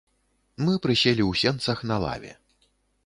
Мы прыселі ў сенцах на лаве.